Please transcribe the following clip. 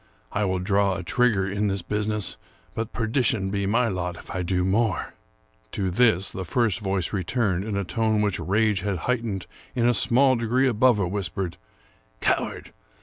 I will draw a trigger in this busi ness ; but perdition be my lot if I do more !" To this the first voice returned, in a tone which rage had heightened in a small degree above a whisper, " Coward!